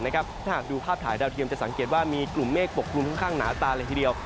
ถ้าหากดูภาพถ่ายดาวเทียมจะสังเกตว่ามีกลุ่มเมฆปกกลุ่มค่อนข้างหนาตาเลยทีเดียว